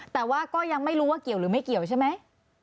แต่ว่าก็ยังไม่รู้ว่าเกี่ยวหรือไม่เกี่ยวใช่ไหม